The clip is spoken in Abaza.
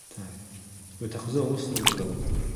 Йутахъдзу ауыс лыдгал, Гӏвза цӏабыргта дгӏаузалпӏ.